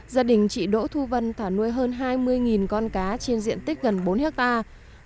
gia đình chị đỗ thu vân thả nuôi hơn hai mươi con cá trên diện tích gần bốn hectare